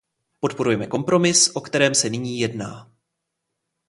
Podporujeme kompromis, o kterém se nyní jedná.